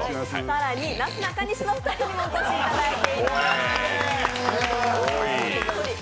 更に、なすなかにしのお二人にもお越しいただいています。